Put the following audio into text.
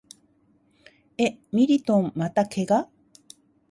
え、ミリトンまた怪我？